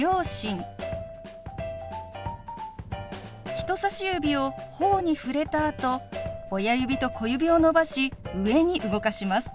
人さし指をほおに触れたあと親指と小指を伸ばし上に動かします。